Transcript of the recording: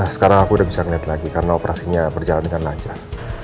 sekarang aku udah bisa ngeliat lagi karena operasinya berjalan dengan lancar